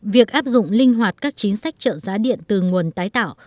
việc áp dụng linh hoạt các chính sách trợ giá điện từ nguồn tái tạo